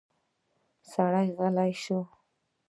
سړی غلی شو.